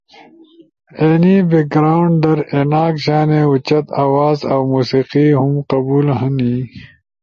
اینی بیک گراونڈ در ایناک شانے اوچت آواز اؤ موسیقی ہم قبول ہنی